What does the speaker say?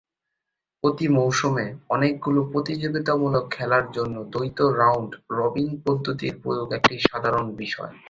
প্রতি মৌসুমে অনেকগুলো প্রতিযোগিতামূলক খেলার জন্য দ্বৈত রাউন্ড-রবিন পদ্ধতির প্রয়োগ একটি সাধারণ বিষয়।